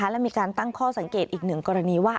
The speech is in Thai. และมีการตั้งข้อสังเกตอีกหนึ่งกรณีว่า